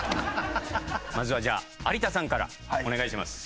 まずはじゃあ有田さんからお願いします。